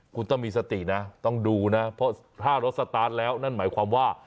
คุณต้องมีสตินะต้องดูนะเพราะถ้ารถสตาร์ทแล้วนั่นหมายความว่า